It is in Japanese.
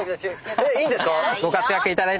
えっいいんですか